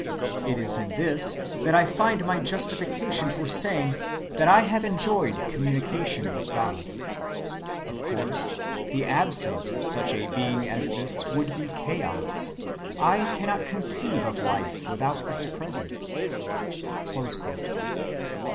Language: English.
It is in this that I find my justification for saying that I have enjoyed communication with God. Of course the absence of such a being as this would be chaos. I cannot conceive of life without its presence."